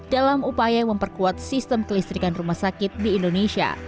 dalam upaya memperkuat sistem kelistrikan rumah sakit di indonesia